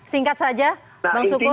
singkat saja bang sukur